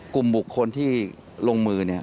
กลุ่มบุคคลที่ลงมือเนี่ย